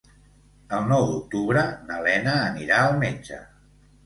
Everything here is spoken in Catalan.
El nou d'octubre na Lena anirà al metge.